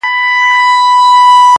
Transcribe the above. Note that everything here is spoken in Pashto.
نن هغه توره د ورور په وينو سره ده-